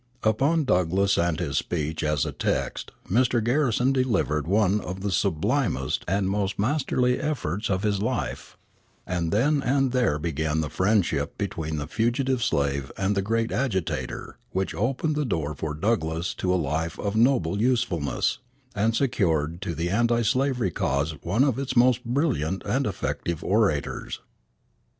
Upon Douglass and his speech as a text Mr. Garrison delivered one of the sublimest and most masterly efforts of his life; and then and there began the friendship between the fugitive slave and the great agitator which opened the door for Douglass to a life of noble usefulness, and secured to the anti slavery cause one of its most brilliant and effective orators.